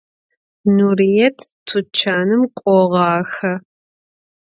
Nuriêt tuçanım k'oğaxe.